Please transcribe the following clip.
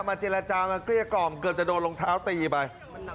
เจรจามาเกลี้ยกล่อมเกือบจะโดนรองเท้าตีไป